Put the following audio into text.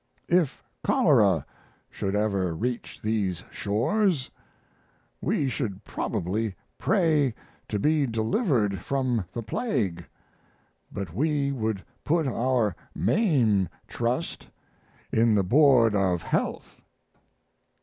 If cholera should ever reach these shores we should probably pray to be delivered from the plague, but we would put our main trust in the Board of Health.